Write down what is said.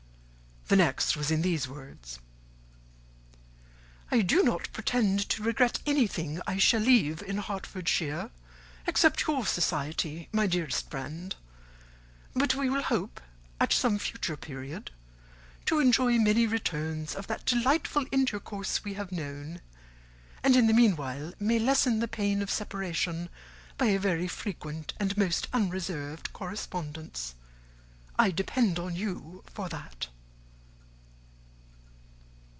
The next was in these words: "'I do not pretend to regret anything I shall leave in Hertfordshire except your society, my dearest friend; but we will hope, at some future period, to enjoy many returns of that delightful intercourse we have known, and in the meanwhile may lessen the pain of separation by a very frequent and most unreserved correspondence. I depend on you for that.